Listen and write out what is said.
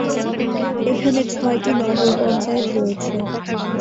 এখানে ছয়টি নগর পঞ্চায়েত রয়েছে।